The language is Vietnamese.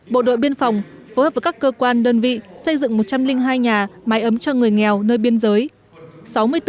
bộ đội biên phòng phối hợp với các cơ quan đơn vị xây dựng một trăm linh hai nhà máy ấm cho người nghèo nơi biên giới